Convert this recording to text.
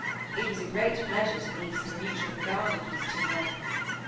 It was a great pleasure to me to see the mutual regard of these two men.